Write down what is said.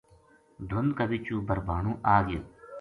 دھُند کا بِچوں بھربھانو آ گیو